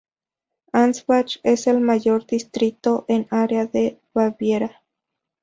Ansbach es el mayor distrito en área de Baviera.